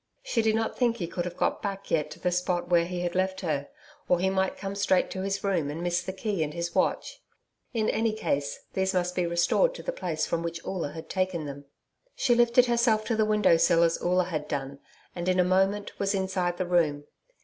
She did not think he could have got back yet to the spot where he had left her. Or he might come straight to his room and miss the key and his watch. In any case, these must be restored to the place from which Oola had taken them. She lifted herself to the window sill as Oola had done, and in a moment was inside the room.